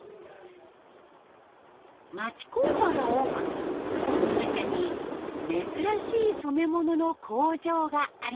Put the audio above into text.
町工場が多くその中に珍しい染め物の工場がありました。